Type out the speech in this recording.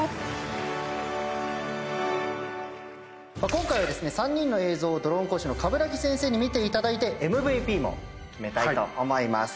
今回は３人の映像をドローン講師の鏑木先生に見ていただいてＭＶＰも決めたいと思います。